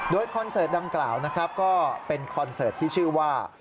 โดยคอนเสิร์ตดังกล่าวนะครับก็เป็นคอนเสิร์ตที่ชื่อว่า